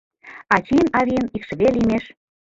Ачийын-авийын икшыве лиймеш